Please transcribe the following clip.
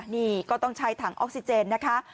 นี่ก็ต้องใช้ถังออกซิเจนนะคะ